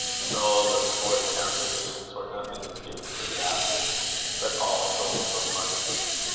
Oh! those horrid town conditions, where nothing is given for the asking, but all sold for money!